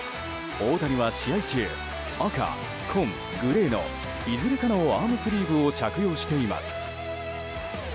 大谷は試合中赤、紺、グレーのいずれかのアームスリーブを着用しています。